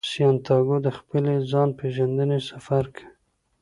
سانتیاګو د خپل ځان پیژندنې سفر کوي.